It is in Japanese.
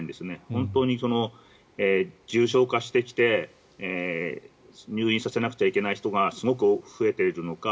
本当に重症化してきて入院させなくちゃいけない人がすごく増えているのか